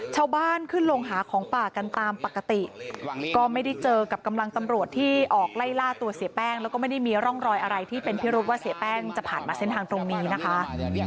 ชาวบ้านขึ้นลงหาของป่ากันตามปกติก็ไม่ได้เจอกับกำลังตำรวจที่ออกไล่ล่าตัวเสียแป้งแล้วก็ไม่ได้มีร่องรอยอะไรที่เป็นพิรุษว่าเสียแป้งจะผ่านมาเส้นทางตรงนี้นะคะ